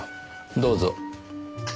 どうぞ。